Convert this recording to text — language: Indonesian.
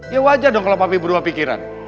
ya wajar dong kalau mapi berubah pikiran